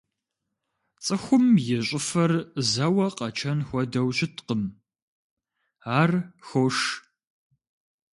Цӏыхум и щӏыфэр зэуэ къэчэн хуэдэу щыткъым, ар хош.